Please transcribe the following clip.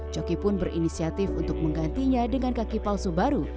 walaupun berinisiatif untuk menggantinya dengan kaki palsu baru